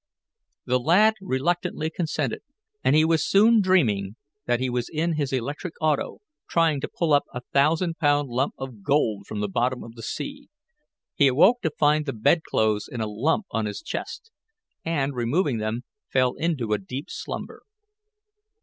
The lad reluctantly consented, and he was soon dreaming that he was in his electric auto, trying to pull up a thousand pound lump of gold from the bottom of the sea. He awoke to find the bedclothes in a lump on his chest, and, removing them, fell into a deep slumber.